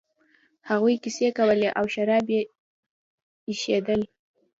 هغوی کیسې کولې او شراب یې ایشخېشل.